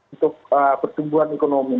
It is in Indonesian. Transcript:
untuk pertumbuhan ekonomi